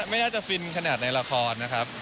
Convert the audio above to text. ไม่น่าจะฟินขนาดในละครนะครับ